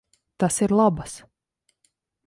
Tas ir labas.